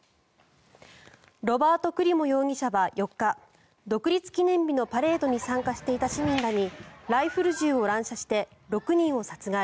ロバート・クリモ容疑者は４日独立記念日のパレードに参加していた市民らにライフル銃を乱射して６人を殺害。